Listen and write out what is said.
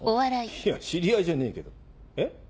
いや知り合いじゃねえけど。